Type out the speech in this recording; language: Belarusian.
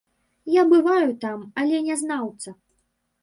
Я бываю там, але не знаўца.